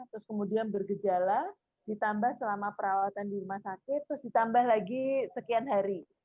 terus kemudian bergejala ditambah selama perawatan di rumah sakit terus ditambah lagi sekian hari